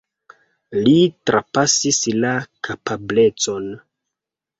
Li trapasis la kapablecon.